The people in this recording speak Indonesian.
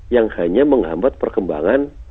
yang hanya menghambat perkembangan